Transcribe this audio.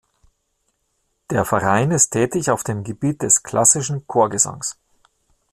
Der Verein ist tätig auf dem Gebiet des Klassischen Chorgesangs.